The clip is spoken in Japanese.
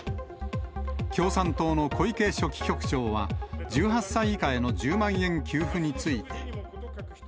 共産党の小池書記局長は、１８歳以下への１０万円給付について。